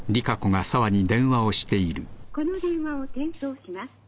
この電話を転送します。